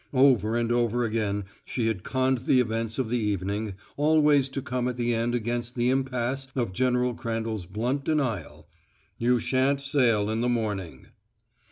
Over and over again she had conned the events of the evening, always to come at the end against the impasse of General Crandall's blunt denial: "You shan't sail in the morning."